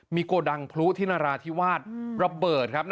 มีโกดังพลุที่นราธิวาสระเบิดครับ